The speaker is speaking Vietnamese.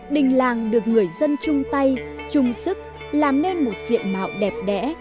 đình làng được người dân chung tay chung sức làm nên một diện mạo đẹp đẽ